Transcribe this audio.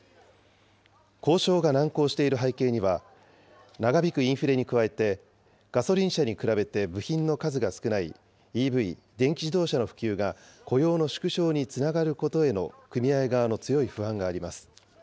交渉が難航している背景には、長引くインフレに加えて、ガソリン車に比べて部品の数が少ないＥＶ・電気自動車の普及が雇用の縮小につながることへの組合側の強い不安があります。